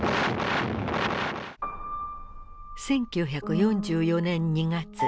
１９４４年２月。